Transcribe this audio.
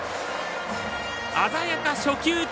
鮮やか、初球打ち！